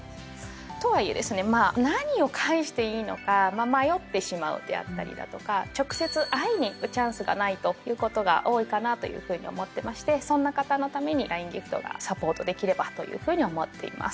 とはいえですね何を返していいのか迷ってしまうであったりだとか直接会いに行くチャンスがないということが多いかなというふうに思ってましてそんな方のために「ＬＩＮＥギフト」がサポートできればというふうに思っています。